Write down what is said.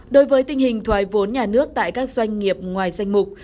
đối với tình hình thoái vốn nhà nước tại các doanh nghiệp ngoài danh mục